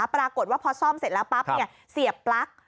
ปรากฏว่าพอซ่อมเสร็จแล้วปั๊บเสียบปลั๊ก